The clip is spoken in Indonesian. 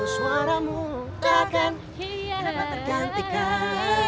suaramu takkan dapat tergantikan